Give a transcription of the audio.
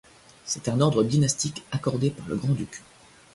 C'est un ordre dynastique accordé par le grand-duc.